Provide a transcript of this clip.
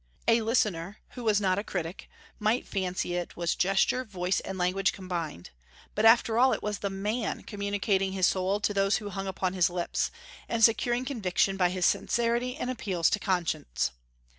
A listener, who was not a critic, might fancy it was gesture, voice, and language combined; but, after all, it was the man communicating his soul to those who hung upon his lips, and securing conviction by his sincerity and appeals to conscience.